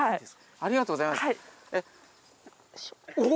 ありがとうございます。